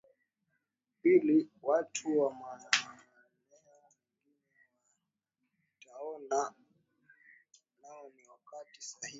pili watu wa maeneo mengine wataona nao ni wakati sahihi